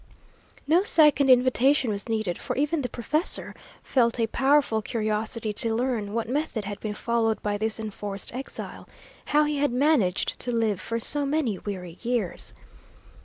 No second invitation was needed, for even the professor felt a powerful curiosity to learn what method had been followed by this enforced exile; how he had managed to live for so many weary years.